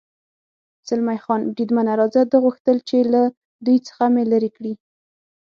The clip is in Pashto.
زلمی خان: بریدمنه، راځه، ده غوښتل چې له دوی څخه مې لرې کړي.